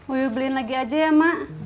udah beliin lagi aja ya mak